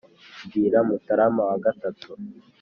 mbwira mutara wa gatatu